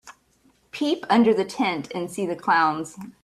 Peep under the tent and see the clowns.